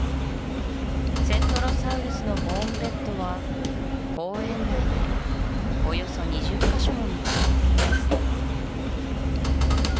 セントロサウルスのボーンベッドは公園内でおよそ２０カ所も見つかっています